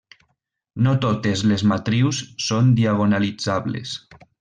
No totes les matrius són diagonalitzables.